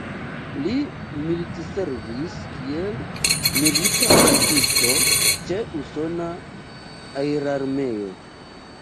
Li militservis kiel milita policisto ĉe usona aerarmeo.